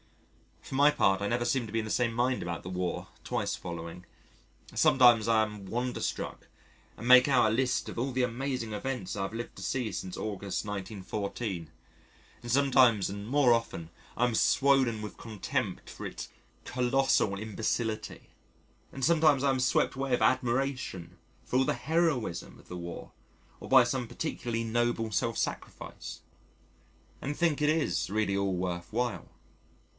For my part, I never seem to be in the same mind about the War twice following. Sometimes I am wonderstruck and make out a list of all the amazing events I have lived to see since August, 1914, and sometimes and more often I am swollen with contempt for its colossal imbecility. And sometimes I am swept away with admiration for all the heroism of the War, or by some particularly noble self sacrifice, and think it is really all worth while.